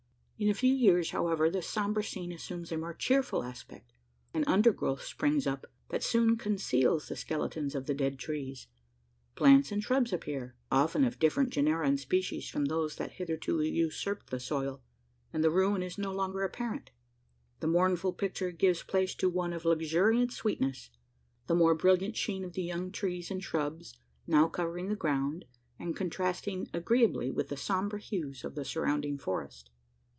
In a few years, however, this sombre scene assumes a more cheerful aspect. An under growth springs up, that soon conceals the skeletons of the dead trees: plants and shrubs appear often of different genera and species from those that hitherto usurped the soil and the ruin is no longer apparent. The mournful picture gives place to one of luxuriant sweetness: the more brilliant sheen of the young trees and shrubs, now covering the ground, and contrasting agreeably with the sombre hues of the surrounding forest.